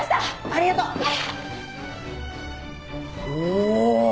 お！